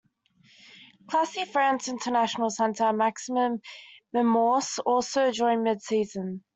Classy France international centre Maxime Mermoz also joined mid-season.